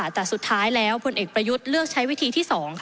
แต่สุดท้ายแล้วพลเอกประยุทธ์เลือกใช้วิธีที่๒